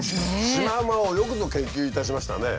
シマウマをよくぞ研究いたしましたね。